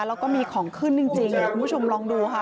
แล้วก็มีของขึ้นจริงคุณผู้ชมลองดูค่ะ